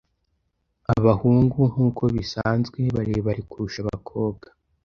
Abahungu, nkuko bisanzwe, barebare kurusha abakobwa.